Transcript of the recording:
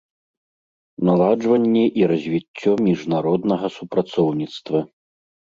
Наладжванне i развiццё мiжнароднага супрацоўнiцтва.